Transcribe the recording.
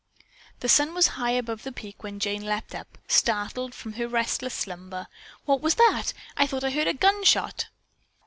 The sun was high above the peak when Jane leaped up, startled, from her restless slumber. "What was that? I thought I heard a gun shot."